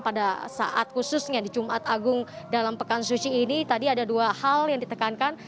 pada saat khususnya di jumat agung dalam pekan suci ini tadi ada dua hal yang ditekankan